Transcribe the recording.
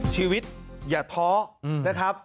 ชีวิตอย่าท้อนะครับ